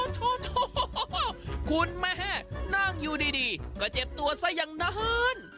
โถคุณแม่นั่งอยู่ดีก็เจ็บตัวซะอย่างนั้น